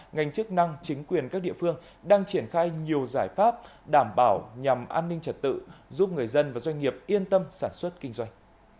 ngành chức năng chính quyền các địa phương đang triển khai nhiều giải pháp đảm bảo nhằm an ninh trật tự giúp người dân và doanh nghiệp yên tâm sản xuất kinh doanh